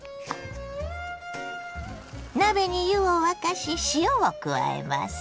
鍋に湯を沸かし塩を加えます。